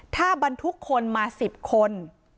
ถ้าบรรทุกคนมา๑๐คน